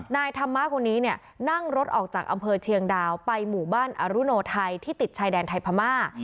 นายธรรมะคนนี้เนี่ยนั่งรถออกจากอำเภอเชียงดาวไปหมู่บ้านอรุโนไทยที่ติดชายแดนไทยพม่า